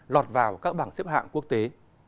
lọt vào các bảng xếp hạng quốc tế